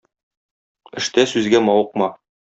Эштә сүзгә мавыкма.